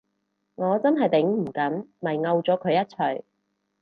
我真係頂唔緊，咪摳咗佢一鎚